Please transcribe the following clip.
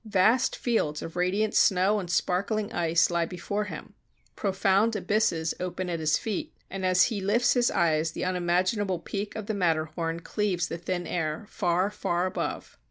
Vast fields of radiant snow and sparkling ice lie before him; profound abysses open at his feet; and as he lifts his eyes the unimaginable peak of the Matterhorn cleaves the thin air, far, far above.